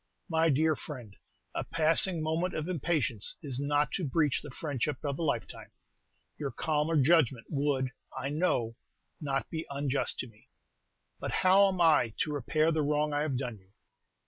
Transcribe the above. "My dear friend, a passing moment of impatience is not to breach the friendship of a lifetime. Your calmer judgment would, I know, not be unjust to me." "But how am I to repair the wrong I have done you?"